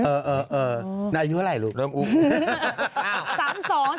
เออนั่นอายุอะไรลูกเริ่มอุ้ง